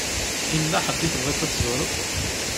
Yella ḥedd i tebɣiḍ ad teẓṛeḍ?